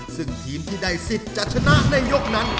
ซึ่งทีมที่ได้สิทธิ์จะชนะในยกนั้น